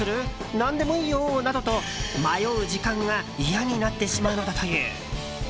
何でもいいよなどと迷う時間が嫌になってしまうのだという。